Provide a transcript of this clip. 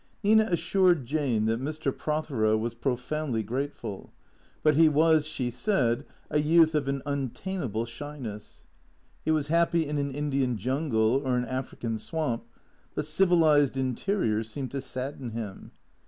Xina assured Jane that Mr. Prothero was profoundly grate ful. But he was, she said, a youth of an untamable shyness. He was happy in an Indian jungle or an African swamp, but civilized interiors seemed to sadden him.